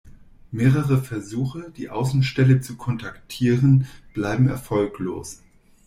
Mehrere Versuche, die Außenstelle zu kontaktieren, bleiben erfolglos.